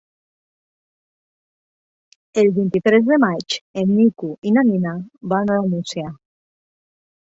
El vint-i-tres de maig en Nico i na Nina van a la Nucia.